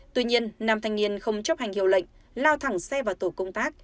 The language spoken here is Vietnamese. tuy nhiên nam thanh niên không chấp hành hiệu lệnh lao thẳng xe vào tổ công tác